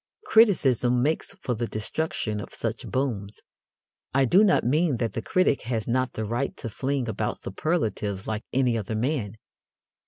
Criticism makes for the destruction of such booms. I do not mean that the critic has not the right to fling about superlatives like any other man.